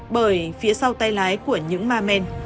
bởi phía sau tay lái của những ma men